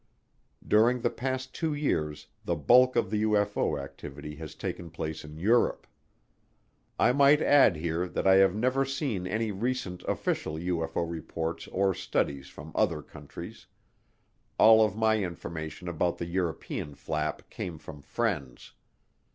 During the past two years the bulk of the UFO activity has taken place in Europe. I might add here that I have never seen any recent official UFO reports or studies from other countries; all of my information about the European Flap came from friends.